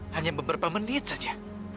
hanya beberapa menit saja